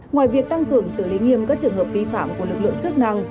ngoài việc tăng cường xử lý nghiêm các trường hợp vi phạm của lực lượng chức năng